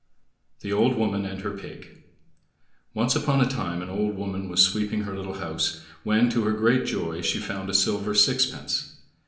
The Old Woman and her Pig Once upon a time an old woman was sweeping her little house, when, to her great joy, she found a silver sixpence.